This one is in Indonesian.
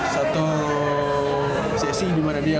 satu sesi dimana dia